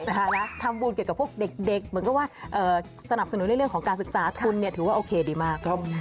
ทำบุญเกี่ยวกับพวกเด็กเหมือนกับว่าสนับสนุนในเรื่องของการศึกษาคุณถือว่าโอเคดีมาก